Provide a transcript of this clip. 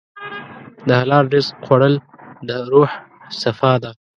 د حلال رزق خوړل د روح صفا ده.